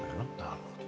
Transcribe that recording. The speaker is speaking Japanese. なるほど。